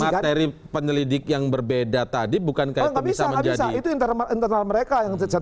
maksudnya materi penelidik yang berbeda tadi bukan kayak itu bisa menjadi